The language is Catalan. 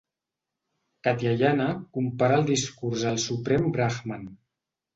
Katyayana compara el discurs al suprem Brahman.